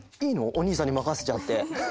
お兄さんにまかせちゃって。